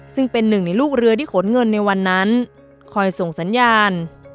ซึ่งเป็นหนึ่งในลูกเรือที่ขนเงินในวันนั้นคอยส่งสัญญาณ